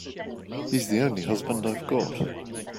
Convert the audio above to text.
He's the only husband I've got.